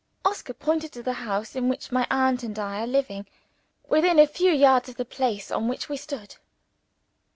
Oscar pointed to the house in which my aunt and I are living within a few yards of the place on which we stood.